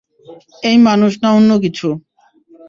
এই মানুষ না অন্য কিছু।